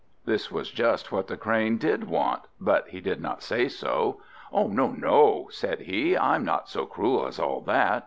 This was just what the Crane did want, but he did not say so. "No, no!" said he; "I'm not so cruel as all that.